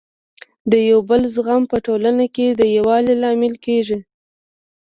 د یو بل زغمل په ټولنه کي د يووالي لامل کيږي.